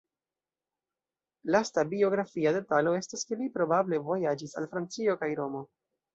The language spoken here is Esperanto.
Lasta biografia detalo estas, ke li probable vojaĝis al Francio kaj Romo.